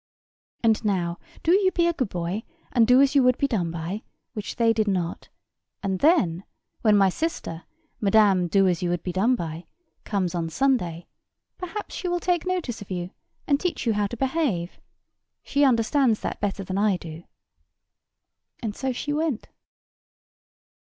And now do you be a good boy, and do as you would be done by, which they did not; and then, when my sister, MADAME DOASYOUWOULDBEDONEBY, comes on Sunday, perhaps she will take notice of you, and teach you how to behave. She understands that better than I do." And so she went.